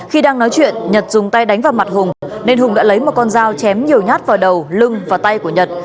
khi đang nói chuyện nhật dùng tay đánh vào mặt hùng nên hùng đã lấy một con dao chém nhiều nhát vào đầu lưng và tay của nhật